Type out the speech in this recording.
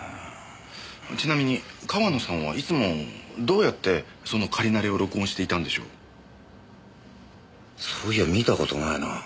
ちなみに川野さんはいつもどうやってその仮ナレを録音していたんでしょう？そういや見た事ないな。